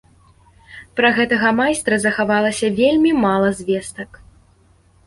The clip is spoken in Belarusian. Пра гэта майстра захавалася вельмі мала звестак.